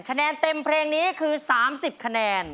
คะแนนเต็มเพลงนี้คือ๓๐คะแนน